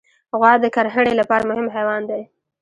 غوا د کرهڼې لپاره مهم حیوان دی.